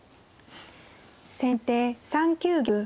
先手３九玉。